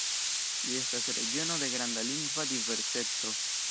Ĝi estas regiono de granda lingva diverseco.